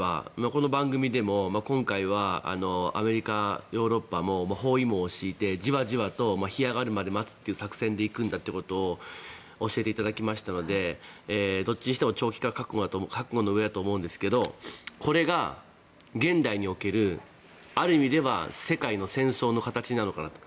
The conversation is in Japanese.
この番組でも今回はアメリカ、ヨーロッパも包囲網を敷いてジワジワと干上がるまで待つという作戦で行くんだということを教えていただきましたのでどっちにしても長期化は覚悟の上だと思うんですがこれが現代におけるある意味では世界の戦争の形なのかなと。